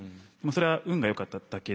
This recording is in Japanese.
それは運がよかっただけで。